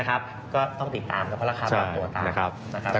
ก็ต้องติดตามกับราคาประกันตัวตาม